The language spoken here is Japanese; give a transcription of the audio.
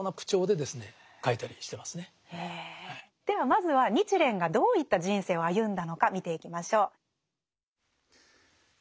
ではまずは日蓮がどういった人生を歩んだのか見ていきましょう。